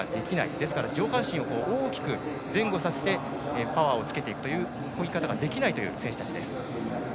ですから、上半身を大きく前後させてパワーをつけていくというこぎ方ができないという選手たちです。